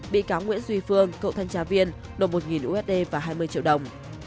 bị cáo nguyễn duy phương cựu thanh tra viên nộp một usd và hai mươi triệu đồng